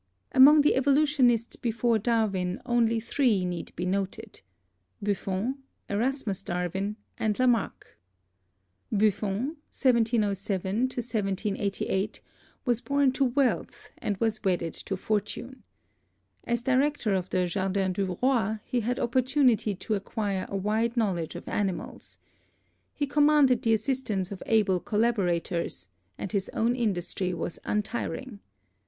Among the evolutionists before Darwin only three need be noted — Buffon, Erasmus Darwin and Lamarck. Buffon (1707 1788) was born to wealth and was wedded to For tune. As Director of the Jardin du Roi he had op portunity to acquire a wide knowledge of animals. He commanded the assistance of able collaborateurs, and his own industry was untiring.